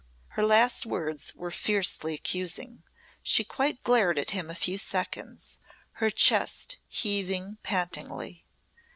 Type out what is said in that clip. Her last words were fiercely accusing. She quite glared at him a few seconds, her chest heaving pantingly.